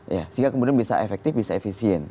ya sehingga kemudian bisa efektif bisa efisien